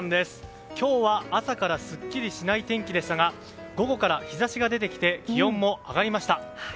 今日は朝からすっきりしない天気でしたが午後から日差しが出てきて気温も上がりました。